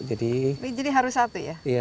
jadi harus satu ya